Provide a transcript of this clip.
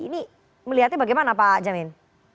ini melihatnya bagaimana pak jamin